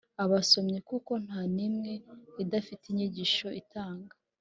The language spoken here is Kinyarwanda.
abasomyi, kuko nta n’imwe idafite inyigisho itanga